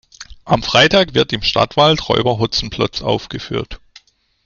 Am Freitag wird im Stadtwald Räuber Hotzenplotz aufgeführt.